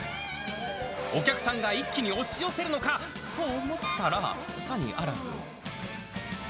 お客さんが一気に押し寄せるのかと思ったら、さにあらず。